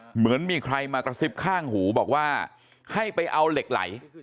เหมือนมีใครมากระซิบข้างหูบอกว่าให้ไปเอาเหล็กไหล